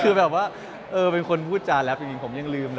คือแบบว่าเป็นคนพูดจานแร็ปอีกผมยังลืมเลย